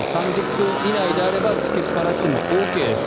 ３０分以内であればつけっぱなしでもＯＫです。